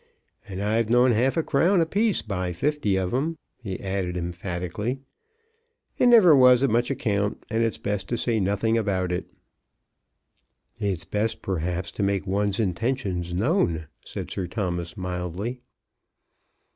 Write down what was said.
And I've known half a crown a piece buy fifty of 'em," he added emphatically. "It never was of much account, and it's best to say nothing about it." "It's best perhaps to make one's intentions known," said Sir Thomas mildly.